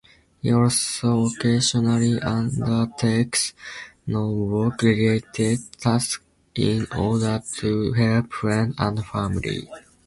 He also occasionally undertakes non-work-related tasks in order to help friends and family.